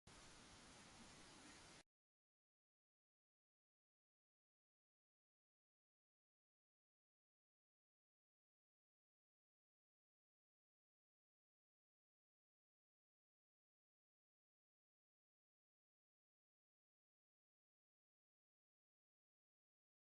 간단히 말하자면 미분 가능하면 연속이라고 할 수 있지.